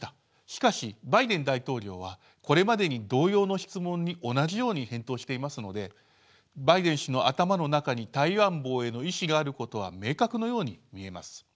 しかしバイデン大統領はこれまでに同様の質問に同じように返答していますのでバイデン氏の頭の中に台湾防衛の意思があることは明確のように見えます。